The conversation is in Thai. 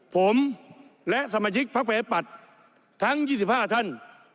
ผมและสามัชิกภักดิ์ไว้ปัดทั้ง๒๕ท่าน